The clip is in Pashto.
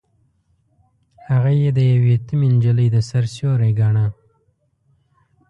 هغه يې د يوې يتيمې نجلۍ د سر سيوری ګاڼه.